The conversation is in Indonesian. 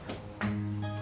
emangnya di subang